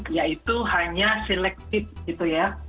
yaitu hanya selektif gitu ya